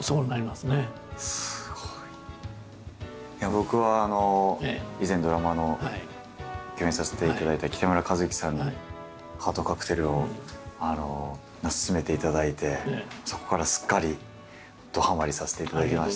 僕は以前ドラマの共演させていただいた北村一輝さんに「ハートカクテル」を薦めていただいてそこからすっかりどはまりさせていただきました。